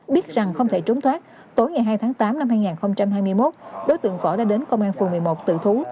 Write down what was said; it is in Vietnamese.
biết rằng không thể trốn thoát tối ngày hai tháng tám năm hai nghìn hai mươi một đối tượng võ đã đến công an phường một mươi một tự thú